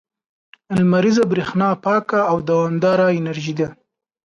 • لمریزه برېښنا پاکه او دوامداره انرژي ده.